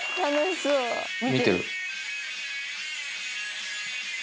見てる。